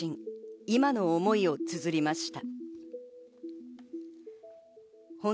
今の思いをつづりました。